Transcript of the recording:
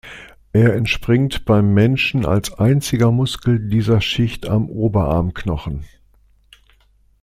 Er entspringt beim Menschen als einziger Muskel dieser Schicht am Oberarmknochen.